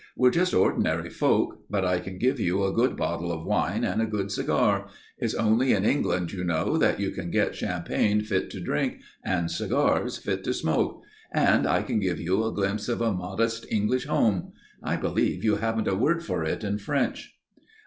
"We're just ordinary folk, but I can give you a good bottle of wine and a good cigar it's only in England, you know, that you can get champagne fit to drink and cigars fit to smoke and I can give you a glimpse of a modest English home. I believe you haven't a word for it in French."